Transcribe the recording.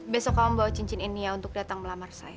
besok kamu bawa cincin ini ya untuk datang melamar saya